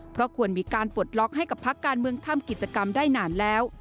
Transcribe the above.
เพราะควรมีการปลดล็อกให้กับพักการเมืองทำกิจกรรมได้นานแล้ว